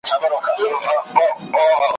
که سړی هر څه ناروغ وو په ځان خوار وو `